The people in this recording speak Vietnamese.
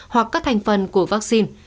hoặc các thành phần của vaccine